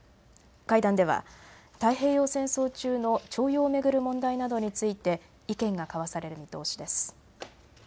会談では太平洋戦争中の徴用を巡る問題などについて意見が交わされる見通しです。